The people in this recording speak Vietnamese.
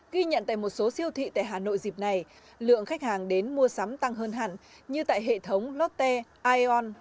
ghi nhận tại một số siêu thị tại hà nội dịp này lượng khách hàng đến mua sắm tăng hơn hẳn như tại hệ thống lotte ion